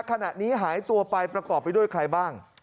ขณะนี้หายตัวไปประกอบไปด้วยใครบ้าง